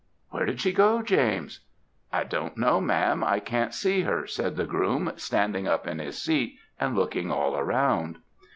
"'Where did she go, James?' "'I don't know, ma'am, I can't see her,' said the groom, standing up in his seat, and looking all round.